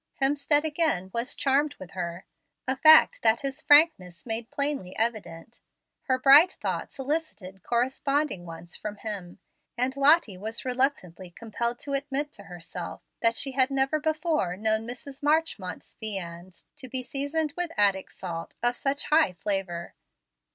Hemstead again was charmed with her, a fact that his frankness made plainly evident. Her bright thoughts elicited corresponding ones from him, and Lottie was reluctantly compelled to admit to herself that she had never before known Mrs. Marchmont's viands to be seasoned with Attic salt of such high flavor.